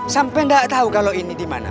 sampai gak tau kalau ini dimana